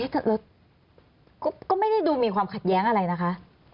แล้วก็ไม่ได้ดูมีความขัดแย้งอะไรนะคะ